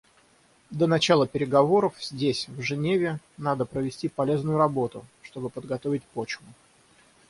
До начала переговоров здесь, в Женеве, надо провести полезную работу, чтобы подготовить почву.